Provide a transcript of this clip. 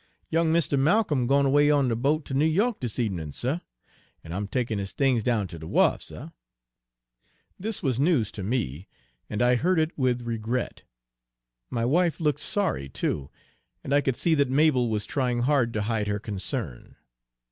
"Young Mistah Ma'colm gwine 'way on de boat ter Noo Yo'k dis ebenin', suh, en I'm takin' his things down ter de wharf, suh." This was news to me, and I heard it with regret. My wife looked sorry, too, and I could see that Mabel was trying hard to hide her concern.